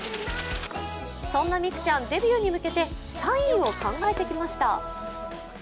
そんな美空ちゃん、デビューに向けてサインを考えてきました。